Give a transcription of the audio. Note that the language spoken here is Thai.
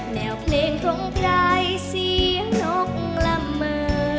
แนวเพลงของใครเสียนกลำเมอ